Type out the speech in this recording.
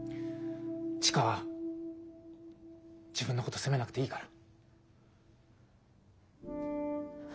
千佳は自分のこと責めなくていいから。